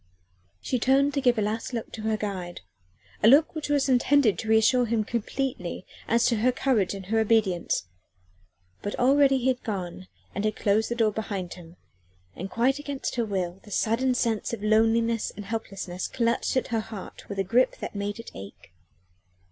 She turned to give a last look at her guide a look which was intended to reassure him completely as to her courage and her obedience: but already he had gone and had closed the door behind him, and quite against her will the sudden sense of loneliness and helplessness clutched at her heart with a grip that made it ache.